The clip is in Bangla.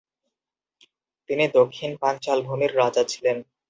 তিনি দক্ষিণ পাঞ্চাল ভূমির রাজা ছিলেন।